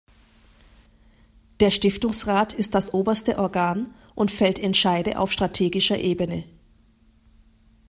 Der Stiftungsrat ist das oberste Organ und fällt Entscheide auf strategischer Ebene.